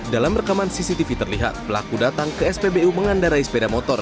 dalam rekaman cctv terlihat pelaku datang ke spbu mengandarai sepeda motor